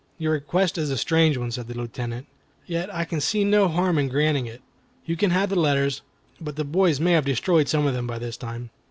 "Your request is a strange one," said the Lieutenant; "yet I can see no harm in granting it. You can have the letters, but the boys may have destroyed some of them by this time."